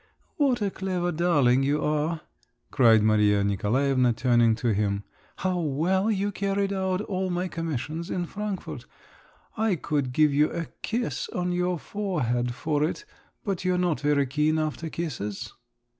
"What a clever darling you are!" cried Maria Nikolaevna, turning to him; "how well you carried out all my commissions in Frankfort! I could give you a kiss on your forehead for it, but you're not very keen after kisses."